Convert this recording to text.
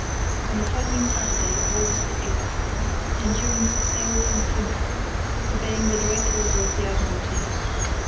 On the following Saturday, August 8, the Endurance sailed from Plymouth, obeying the direct order of the Admiralty.